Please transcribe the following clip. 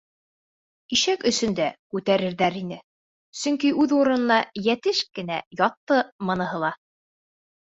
Ишәк өсөн дә күтәрерҙәр ине, сөнки үҙ урынына йәтеш кенә ятты быныһы ла.